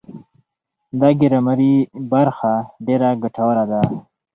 دا ګرامري برخه ډېره ګټوره ده.